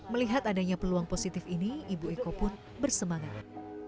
melihat adanya peluang positif ini ibu eko pun bersemangat